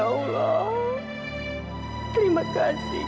ya allah terima kasih